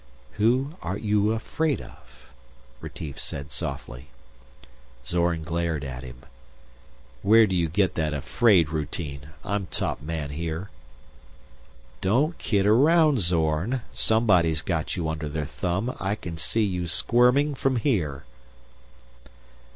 "Who are you afraid of?" Retief said softly. Zorn glared at him. "Where do you get that 'afraid' routine? I'm top man here!" "Don't kid around, Zorn. Somebody's got you under their thumb. I can see you squirming from here."